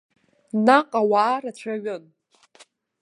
Наҟ ауаа рацәаҩын.